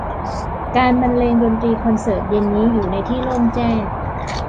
การบรรเลงดนตรีคอนเสิร์ตเย็นนี้อยู่ในที่โล่งแจ้ง